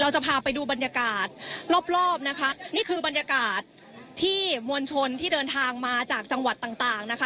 จะพาไปดูบรรยากาศรอบรอบนะคะนี่คือบรรยากาศที่มวลชนที่เดินทางมาจากจังหวัดต่างต่างนะคะ